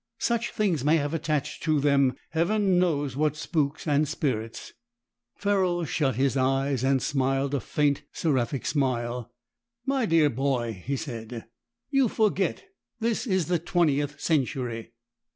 Such things may have attached to them heaven knows what spooks and spirits." Ferrol shut his eyes and smiled, a faint, seraphic smile. "My dear boy," he said, "you forget. This is the Twentieth Century."